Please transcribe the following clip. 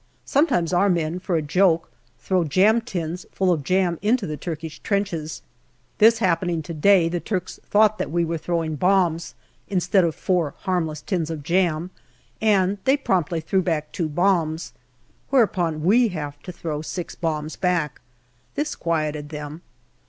Sometimes our men, for a joke, throw jam tins full of jam into the Turkish trenches. This happening to day, the Turks thought that we were throwing bombs, instead of four harmless tins of jam, and they promptly threw back two bombs. Whereupon we have to throw six bombs back. This quietened them.